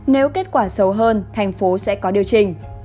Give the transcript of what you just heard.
nếu kết quả sâu hơn thành phố sẽ có điều chỉnh